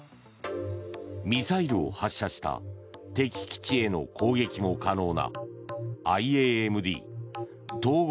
ミサイルを発射した敵基地への攻撃も可能なＩＡＭＤ・統合